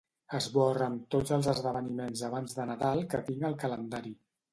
Esborra'm tots els esdeveniments abans de Nadal que tinc al calendari.